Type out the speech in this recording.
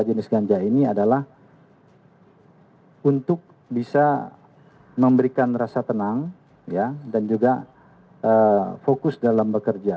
jenis ganja ini adalah untuk bisa memberikan rasa tenang dan juga fokus dalam bekerja